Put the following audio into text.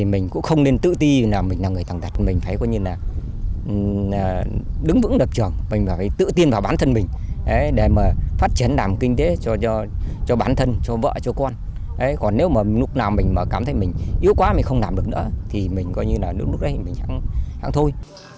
mình cũng không nên tự ti mình là người thẳng thật mình phải đứng vững đập trường mình phải tự tiên vào bản thân mình để phát triển làm kinh tế cho bản thân cho vợ cho con còn nếu mà lúc nào mình cảm thấy mình yếu quá mình không làm được nữa thì mình có như là lúc đấy mình hẳn thôi